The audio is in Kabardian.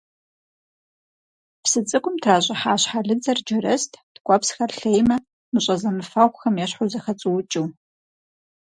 Псы цӀыкӀум тращӀыхьа щхьэлыдзэр джэрэзт ткӀуэпсхэр лъеймэ мыщӀэ зэмыфэгъухэм ещхьу зэхэцӀуукӀыу.